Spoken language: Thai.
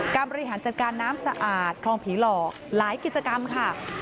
บริหารจัดการน้ำสะอาดคลองผีหลอกหลายกิจกรรมค่ะ